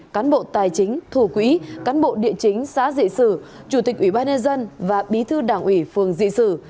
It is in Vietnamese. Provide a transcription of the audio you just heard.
cán bộ tài chính thủ quỹ cán bộ địa chính xã dị sử chủ tịch ủy ban nhân dân và bí thư đảng ủy phường dị sử